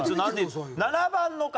７番の方。